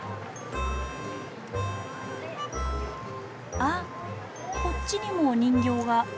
あっこっちにもお人形が。